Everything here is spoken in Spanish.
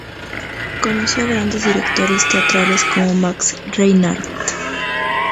Conoció a grandes directores teatrales como Max Reinhardt.